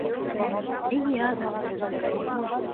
Эйе, Азат